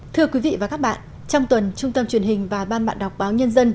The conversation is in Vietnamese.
thưa quý vị và các bạn trong tuần trung tâm truyền hình và ban bạn đọc báo nhân dân